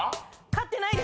飼ってないです。